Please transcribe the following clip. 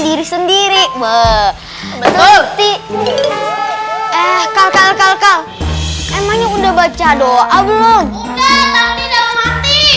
diri sendiri meh meh meh eh kal kal kal kal emangnya udah baca doa belum mati tapi eh